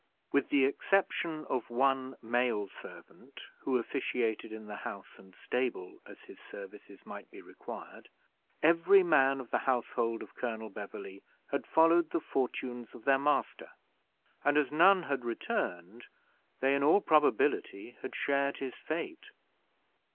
With the exception of one male servant, who officiated in the house and stable as his services might be required, every man of the household of Colonel Beverley had followed the fortunes of their master, and as none had returned, they, in all probability had shared his fate.